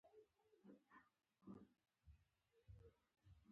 سپي ته لوبه پکار ده.